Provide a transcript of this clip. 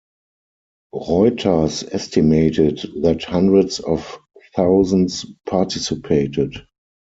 Reuters estimated that hundreds of thousands participated.